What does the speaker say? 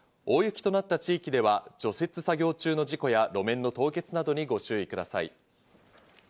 大雪となった地域では除雪作業中の事故や路面の凍結などにご注意ください。